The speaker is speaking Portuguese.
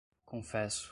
confesso